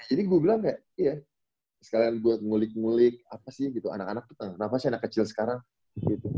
ini gue bilang gak iya sekalian buat ngulik ngulik apa sih gitu anak anak kenapa sih anak kecil sekarang gitu